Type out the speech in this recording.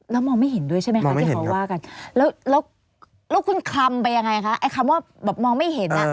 แล้วมองไม่เห็นด้วยใช่ไหมคะที่เขาว่ากันแล้วแล้วคุณคลำไปยังไงคะไอ้คำว่าแบบมองไม่เห็นอ่ะ